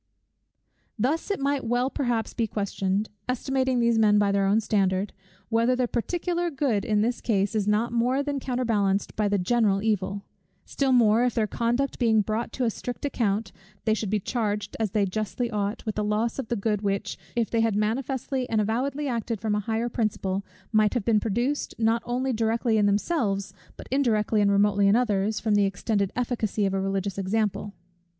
Thus it might well perhaps be questioned, estimating these men by their own standard, whether the particular good in this case, is not more than counterbalanced by the general evil; still more, if their conduct being brought to a strict account, they should be charged, as they justly ought, with the loss of the good which, if they had manifestly and avowedly acted from a higher principle, might have been produced, not only directly in themselves, but indirectly and remotely in others, from the extended efficacy of a religious example.